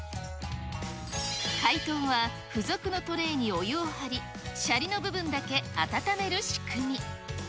解凍は、付属のトレーにお湯を張り、シャリの部分だけ温める仕組み。